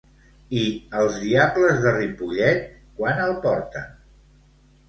I els Diables de Ripollet quan el porten?